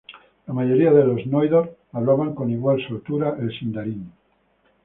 La mayoría de los Noldor hablaban con igual soltura el Sindarin.